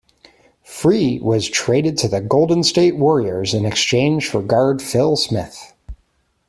Free was traded to the Golden State Warriors in exchange for guard Phil Smith.